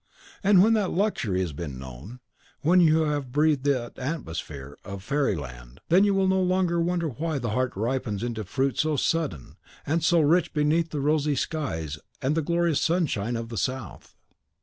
and when that luxury has been known, when you have breathed that atmosphere of fairy land, then you will no longer wonder why the heart ripens into fruit so sudden and so rich beneath the rosy skies and the glorious sunshine of the South.